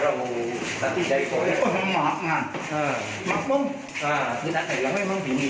เราสติใจสวยมักอ่ะอ่ามักลงอ่าคือนักศัตริย์เราไม่มองที่มี